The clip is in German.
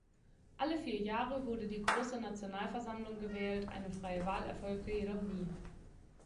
Alle vier Jahre wurde die Große Nationalversammlung gewählt, eine freie Wahl erfolgte jedoch nie.